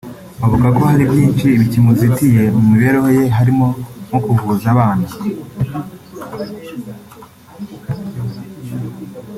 Avuga ko hari byinshi bikimuzitiye mu mibereho ye harimo nko kuvuza abana